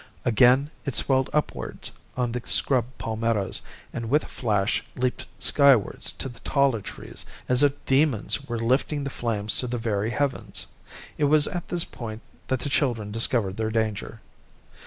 Again, it swelled upwards on the scrub palmettoes, and with a flash leaped skywards to the taller trees as if demons were lifting the flames to the very heavens. It was at this point that the children discovered their danger.